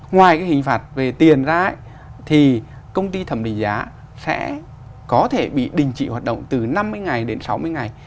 ngoài cái hình phạt về tiền ra thì công ty thẩm định giá sẽ có thể bị đình chỉ hoạt động từ năm mươi ngày đến sáu mươi ngày